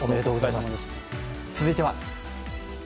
続いては。